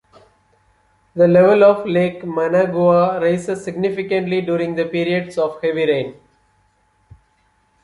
The level of Lake Managua raises significantly during the periods of heavy rain.